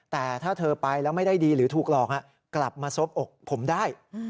แต่ถ้าเธอไปแล้วไม่ได้ดีหรือถูกหลอกกลับมาซบอกผมได้